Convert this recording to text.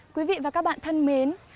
quý vị và các bạn thân mến